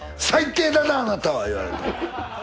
最低だなあなたは言われて。